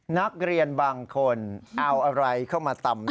นักเรียนบางคนเอาอะไรเข้ามาตำ